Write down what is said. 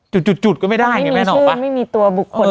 จุดจุดจุดก็ไม่ได้ไงแม่หนอว่าไม่มีชื่อไม่มีตัวบุคคลเออ